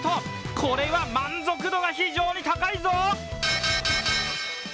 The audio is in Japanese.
これは満足度が非常に高いぞ。